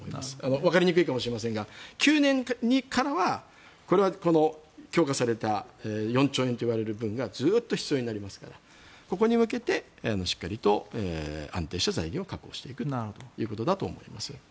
わかりにくいかもしれませんが９年からは、強化された４兆円といわれる分がずっと必要になりますからここに向けてしっかりと安定した財源を確保していくということだと思います。